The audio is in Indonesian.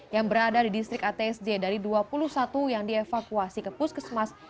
yang berada di distrik atsj dari dua puluh satu yang dievakuasi ke puskesmas